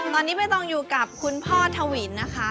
ตอนนี้ใบตองอยู่กับคุณพ่อทวินนะคะ